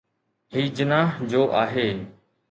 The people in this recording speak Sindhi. هي جناح جو آهي.